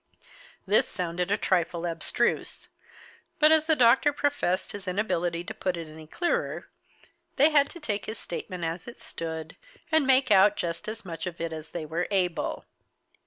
This sounded a trifle abstruse. But as the doctor professed his inability to put it any clearer, they had to take his statement as it stood, and make out just as much of it as they were able.